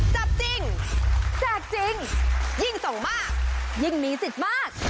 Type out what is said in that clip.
จับจริงแจกจริงยิ่งส่งมากยิ่งมีสิทธิ์มาก